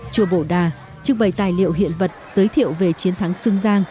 chùa bổ đà trưng bày tài liệu hiện vật giới thiệu về chiến thắng sương giang